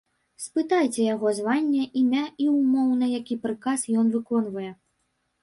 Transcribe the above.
Спытайце яго званне, імя і ўмоўна які прыказ ён выконвае.